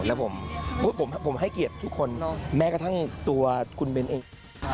แล้วผมให้เกียรติทุกคนแม้กระทั่งตัวคุณเบ้นเอง